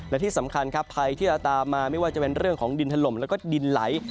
และที่สำคัญครับภัยที่จะตามมาไม่ว่าจะเป็นเรื่องของดินถล่มแล้วก็ดินไหล